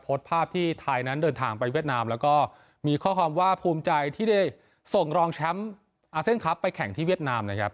พดภาพที่ไทยนั้นเดินทางไปเวียดนาม